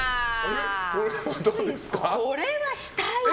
これはしたいよ！